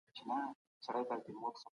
هغه مخور عالم ګڼل کيږي.